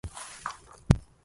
قوت روحي هواك بل روح ذاتي